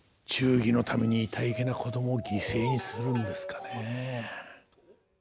忠義のためにいたいけな子供を犠牲にするんですかね。